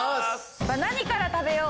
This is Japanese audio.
何から食べよう？